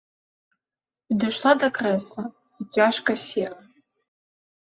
Падышла да крэсла і цяжка села.